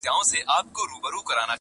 اوپر هر میدان کامیابه پر دښمن سې-